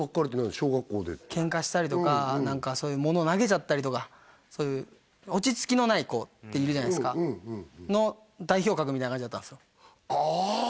小学校でケンカしたりとか何か物投げちゃったりとか落ち着きのない子っているじゃないですか？の代表格みたいな感じだったんすよああ！